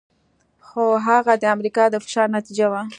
خو هغه د امریکا د فشار نتیجه وه.